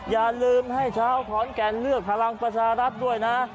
อย่าลืมให้ชาวขอนแก่นเลือกพลังประชารัฐด้วยนะ